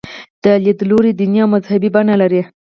دا لیدلوری دیني او مذهبي بڼه لري.